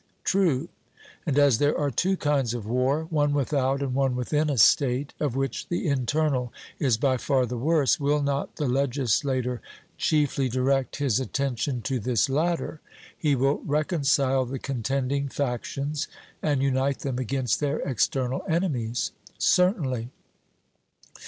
'True.' And as there are two kinds of war, one without and one within a state, of which the internal is by far the worse, will not the legislator chiefly direct his attention to this latter? He will reconcile the contending factions, and unite them against their external enemies. 'Certainly.'